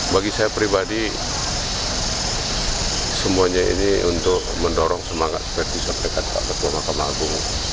bagi saya pribadi semuanya ini untuk mendorong semangat seperti disampaikan pak ketua mahkamah agung